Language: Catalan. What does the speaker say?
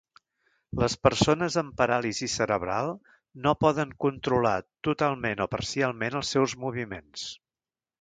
Les persones amb paràlisi cerebral no poden controlar totalment o parcialment els seus moviments.